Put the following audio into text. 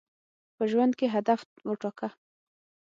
په ژوند کي هدف وټاکه.